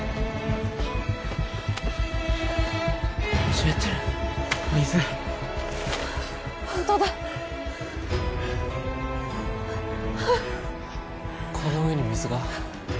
湿ってる水ホントだこの上に水が？